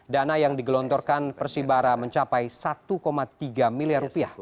dana yang digelontorkan persibara mencapai satu tiga miliar rupiah